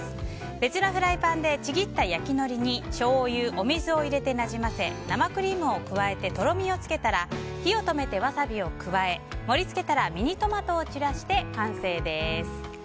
別のフライパンでちぎった焼きのりにしょうゆ、お水を入れてなじませ生クリームを加えてとろみをつけたら火を止めてワサビを加え盛り付けたらミニトマトを散らして完成です。